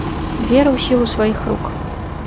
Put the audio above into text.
Веру ў сілу сваіх рук.